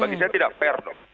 bagi saya tidak fair dong